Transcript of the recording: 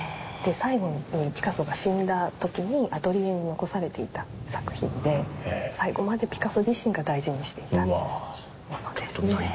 で最後にピカソが死んだ時にアトリエに残されていた作品で最後までピカソ自身が大事にしていたものですね。